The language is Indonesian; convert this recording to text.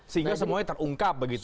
sehingga semuanya terungkap begitu